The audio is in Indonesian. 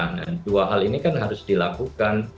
nah dua hal ini kan harus dilakukan